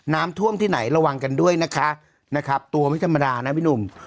น้ำท่วมที่ไหนระวังกันด้วยนะคะนะครับตัวไม่ธรรมดานะพี่หนุ่ม